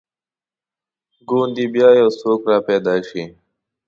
ګوندې بیا یو څوک را پیدا شي.